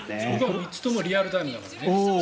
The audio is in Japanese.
３つともリアルタイムだからね。